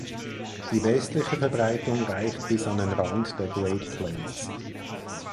Die westliche Verbreitung reicht bis an den Rand der Great Plains.